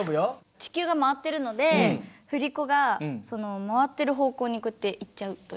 地球が回ってるので振り子がその回ってる方向にこうやって行っちゃうというか。